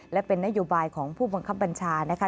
และเป็นนโยบายของผู้บังคับบัญชานะคะ